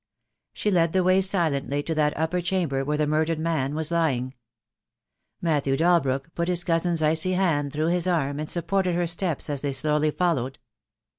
She led the way silently to that upper chamber where the murdered man was lying. Matthew Dalbrook put THE DAY WILL COME. ()$ his cousin's icy hand through his arm and supported her steps as they slowly followed.